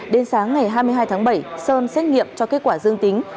đến sáng ngày hai mươi hai tháng bảy sơn xét nghiệm cho kết quả dương tính